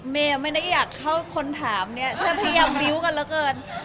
เมย์ไม่ได้อยากเข้าคนถามเนี่ยพยายามบิ้วกันแล้วเกิน